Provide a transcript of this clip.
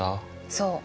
そう。